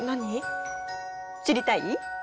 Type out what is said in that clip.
知りたい？